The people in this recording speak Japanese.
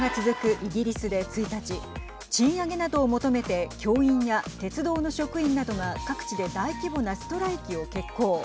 イギリスで１日賃上げなどを求めて教員や鉄道の職員などが各地で大規模なストライキを決行。